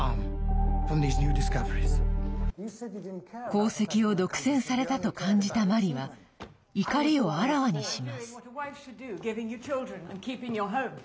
功績を独占されたと感じたマリは怒りをあらわにします。